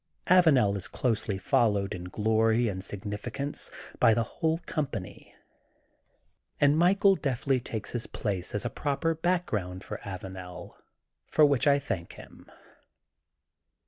Avanel is closely followed in glory and signficance by the whole com pany. And Michael deftly takes his place as a proper background for Avanel, for which I thank him.